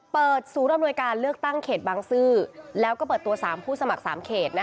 เปิดศูนย์อำนวยการเลือกตั้งเขตบางซื่อแล้วก็เปิดตัว๓ผู้สมัคร๓เขต